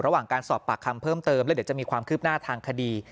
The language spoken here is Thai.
ระหว่างการสอบปากคำเพิ่มเติมแล้วเดี๋ยวจะมีความคืบหน้าทางคดี